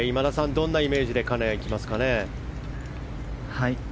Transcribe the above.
どんなイメージで金谷はいきますかね。